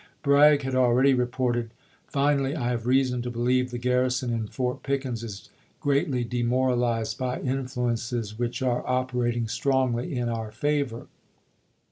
Bragg had already reported, "Finally, I have reason to believe the garrison in Fort Pickens is greatly demoralized by influences which are operating strongly in our FOET PICKENS KEENFOKCED 11 favor."